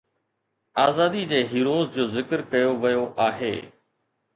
آزادي جي هيروز جو ذڪر ڪيو ويو آهي